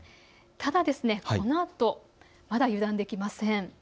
ただ、このあと、まだ油断できません。